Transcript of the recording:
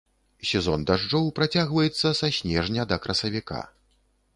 Сезон дажджоў працягваецца са снежня да красавіка.